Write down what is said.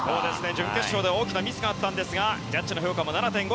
準決勝では大きなミスがあったんですがジャッジの評価も７．５。